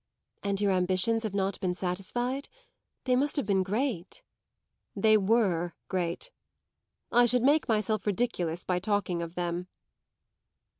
"And your ambitions have not been satisfied? They must have been great." "They were great. I should make myself ridiculous by talking of them."